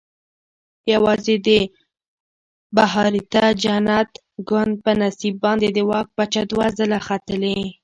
یوازې د بهاریته جنت ګوند په نصیب باندې د واک پچه دوه ځله ختلې.